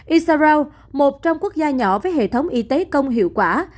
isarau một trong quốc gia nhỏ với hệ thống y tế công hiệu quả